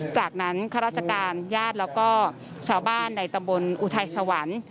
จากนั้นข้าราชการญาติแล้วก็ชาวบ้านในตำบลอุทัยสวรรค์